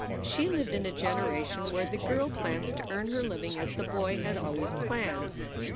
She lived in a generation where the girl plans to earn her living as the boy had always planned.